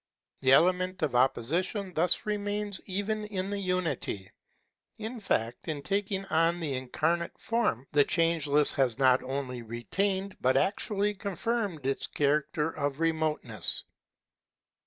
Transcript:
The element of opposition thus remains even in the unity. In fact, in taking on its incarnate form, the Changeless has not only retained but actually confirmed its character of remoteness.